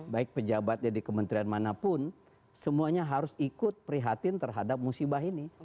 baik pejabatnya di kementerian manapun semuanya harus ikut prihatin terhadap musibah ini